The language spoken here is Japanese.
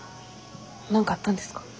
何かあったんですか？